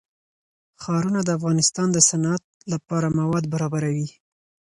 ښارونه د افغانستان د صنعت لپاره مواد برابروي.